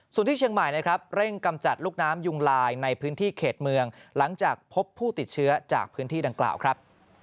ส่วนที่เชียงใหม่นะครับ